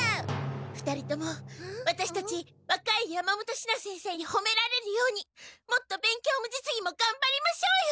２人ともワタシたちわかい山本シナ先生にほめられるようにもっと勉強も実技もがんばりましょうよ！